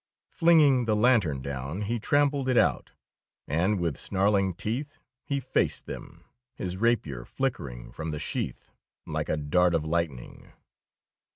Flinging the lantern down, he trampled it out, and with snarling teeth he faced them, his rapier flickering from the sheath like a dart of lightning.